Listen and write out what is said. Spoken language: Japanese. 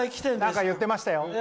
何か言ってましたよ。